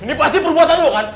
ini pasti perbuatan lo kan